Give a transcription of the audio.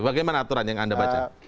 bagaimana aturan yang anda baca